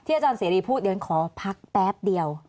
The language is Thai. ที่อาจารย์เสรีพูดอย่างนั้นขอพักแป๊บเดียว